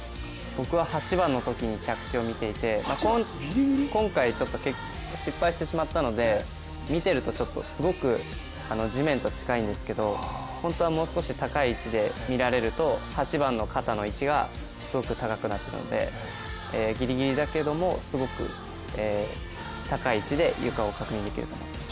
僕は８番の時に着地を見ていて、今回、失敗してしまったので見てるとすごく地面と近いんですけど本当はもう少し高い位置で見られると、８番の肩の位置が、すごく高くなるのでギリギリだけどもすごく高い位置で床を確認できると思います。